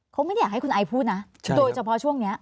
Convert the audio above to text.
เขาไม่ได้อยากให้คุณไอพูดนะโดยเฉพาะช่วงนี้